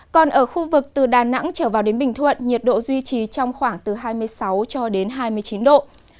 còn ở khu vực từ đà nẵng trở vào đến bình thuận nhiệt độ duy trì trong khoảng từ hai mươi sáu cho đến hai mươi chín độ